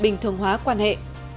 bình thường hóa quan hệ